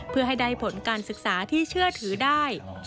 เพื่อให้ได้ผลการศึกษาที่เชื่อถือได้